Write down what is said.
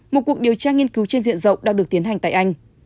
một cuộc điều tra nghiên cứu trên diện rộng đã được tiến hành tại anh